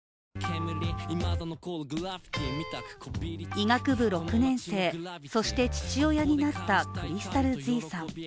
医学部６年生、そして父親になったｃｒｙｓｔａｌ−ｚさん。